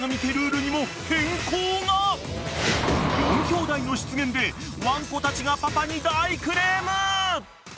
［４兄弟の出現でワンコたちがパパに大クレームの巻］